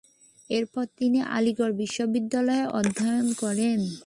এরপর তিনি আলিগড় বিশ্ববিদ্যালয়ে অধ্যয়ন করেন।